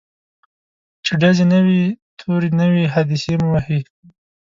چي ډزي نه وي توری نه وي حادثې مو وهي